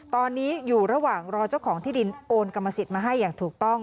ตอนนี้อยู่ระหว่างรอเจ้าของที่ดินโอนกรรมสิทธิ์มาให้อย่างถูกต้อง